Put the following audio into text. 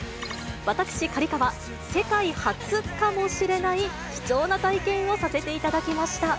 私、刈川、世界初かもしれない貴重な体験をさせていただきました。